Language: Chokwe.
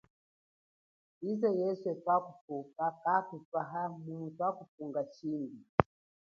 Yize yeswe twakumwita kakutwahayo mumu twakufunga shimbi.